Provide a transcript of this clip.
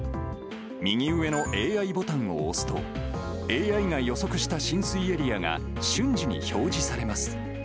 右上のＡＩボタンを押すと、ＡＩが予測した浸水エリアが瞬時に表示されます。